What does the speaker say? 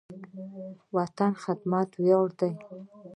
وطن ته خدمت ویاړ دی